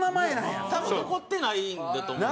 多分残ってないんだと思う。